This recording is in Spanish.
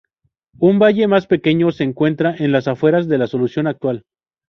Un valle más pequeño se encuentra en las afueras de la solución actual.